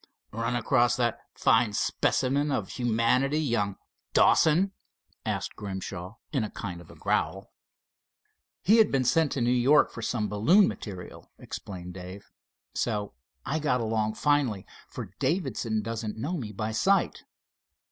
"Run across that fine specimen of humanity, young Dawson?" asked Grimshaw, in a kind of a growl. "He had been sent to New York for some balloon material," explained Dave, "so I got along finely, for Davidson doesn't know me by sight.